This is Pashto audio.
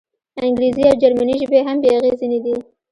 انګریزي او جرمني ژبې هم بې اغېزې نه دي.